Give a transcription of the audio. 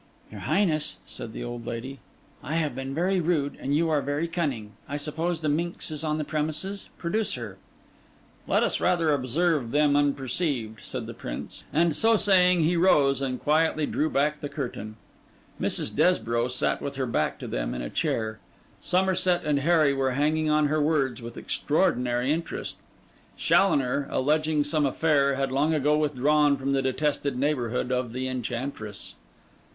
'Your Highness,' said the old lady, 'I have been very rude, and you are very cunning. I suppose the minx is on the premises. Produce her.' 'Let us rather observe them unperceived,' said the Prince; and so saying he rose and quietly drew back the curtain. Mrs. Desborough sat with her back to them on a chair; Somerset and Harry were hanging on her words with extraordinary interest; Challoner, alleging some affair, had long ago withdrawn from the detested neighbourhood of the enchantress.